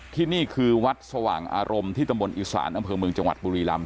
ที่นี่คือวัดสว่างอารมณ์ที่ตำบลอีสานอำเภอเมืองจังหวัดบุรีรำ